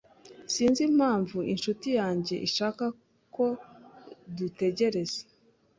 Sinzi impamvu inshuti yanjye ishaka ko dutegereza.